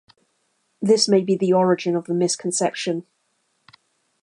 This may be the origin of the misconception.